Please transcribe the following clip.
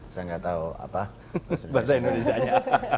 saya nggak tahu apa bahasa indonesia nya